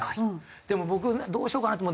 でも僕どうしようかなと思って。